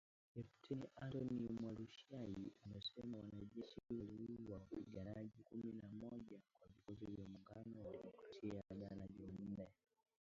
Kepteni Antony Mualushayi, amesema wanajeshi waliwaua wapiganaji kumi na mmoja wa Vikosi vya Muungano wa Kidemokrasia jana Jumanne